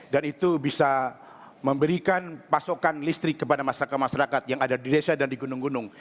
dan itu bisa memberikan pasokan listrik kepada masyarakat masyarakat yang ada di desa dan di gunung gunung